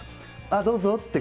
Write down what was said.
どうぞ。